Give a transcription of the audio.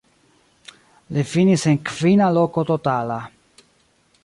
Li finis en kvina loko totala.